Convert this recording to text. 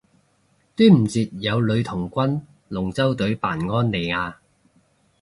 端午節有女童軍龍舟隊扮安妮亞